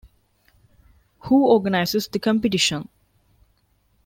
Who organises the Competition?